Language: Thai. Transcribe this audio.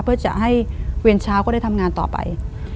เพื่อจะให้เวียนเช้าก็ได้ทำงานต่อไป